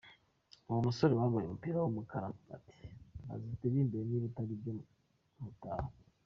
Uwo musore wambaye umupira w'umukara ati: "Banza uturirimbire niba atari ibyo ntutaha!!!".